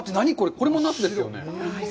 これもナスですよね？